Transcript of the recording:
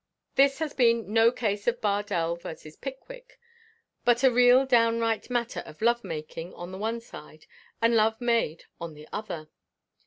This has been no case of Bardell v. Pickwick, but a real downright matter of love making on the one side, and love made on the other.